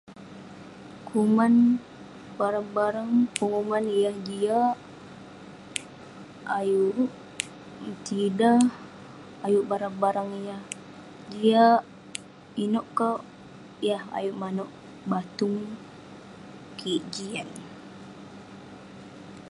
kuman, barang barang penguman yah jiak, ayuk..metidah, ayuk barang barang yah jiak..inouk kerk yah ayuk manouk batung kik jian..